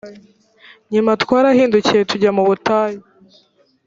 nyuma twarahindukiye tujya mu butayu